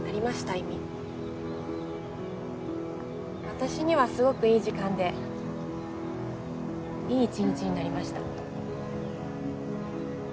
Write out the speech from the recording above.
私にはすごくいい時間でいい一日になりました